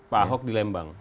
pak ahok di lembang